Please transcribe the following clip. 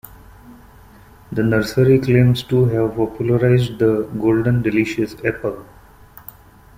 The nursery claims to have popularized the Golden Delicious apple.